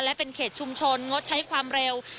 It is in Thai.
และเป็นเขตชุมชนงดใช้ความเร็ว